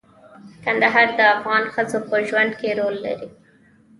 کندهار د افغان ښځو په ژوند کې رول لري.